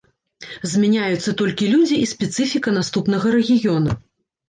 Змяняюцца толькі людзі і спецыфіка наступнага рэгіёна.